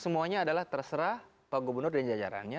semuanya adalah terserah pak gubernur dan jajarannya